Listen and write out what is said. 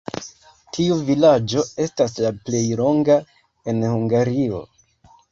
Tiu vilaĝo estas la plej longa en Hungario.